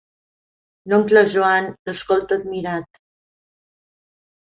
L'oncle Joan l'escolta admirat.